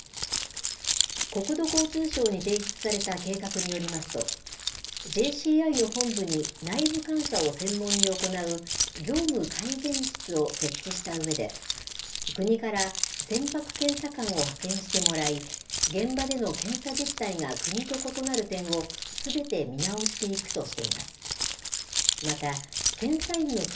国土交通省に提出された計画によりますと、ＪＣＩの本部に内部監査を専門に行う業務改善室を設置したうえで、国から船舶検査官を派遣してもらい、現場での検査実態が国と異なる点をすべて見直していくとしています。